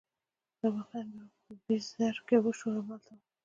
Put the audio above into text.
دا واقعه بیا په بیزر کې وشوه، زه همالته وم.